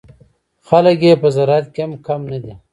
خلک یې په زراعت کې هم کم نه دي.